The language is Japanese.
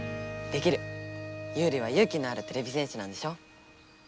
ユウリは勇気のあるてれび戦士なんでしょ？